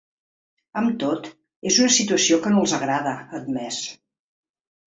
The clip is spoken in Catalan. Amb tot, és una situació que no els agrada, ha admès.